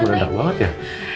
beradab banget ya